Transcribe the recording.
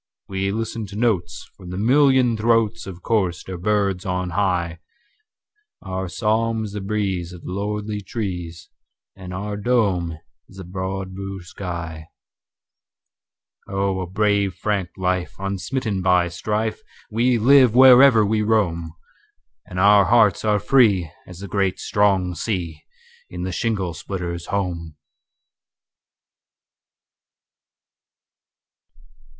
We listen to notes from the million throatsOf chorister birds on high, Our psalm is the breeze in the lordly trees, And our dome is the broad blue sky, Oh! a brave frank life, unsmitten by strife, We live wherever we roam, And our hearts are free as the great strong sea, In the shingle splitter's home.